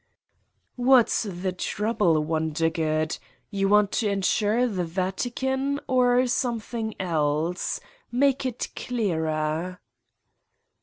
"What's the trouble, Wondergood? You want to insure the Vatican or something else? Make it clearer?"